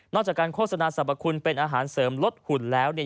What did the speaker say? จากการโฆษณาสรรพคุณเป็นอาหารเสริมลดหุ่นแล้วเนี่ย